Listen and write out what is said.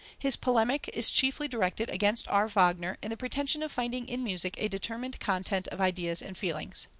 His polemic is chiefly directed against R. Wagner and the pretension of finding in music a determined content of ideas and feelings.